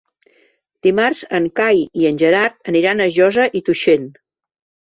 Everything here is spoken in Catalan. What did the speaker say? Dimarts en Cai i en Gerard aniran a Josa i Tuixén.